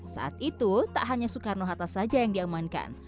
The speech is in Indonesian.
saat itu tak hanya soekarno hatta saja yang diamankan